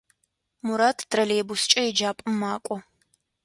Мурат троллейбускӏэ еджапӏэм макӏо.